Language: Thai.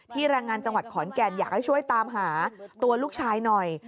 แรงงานจังหวัดขอนแก่นอยากให้ช่วยตามหาตัวลูกชายหน่อย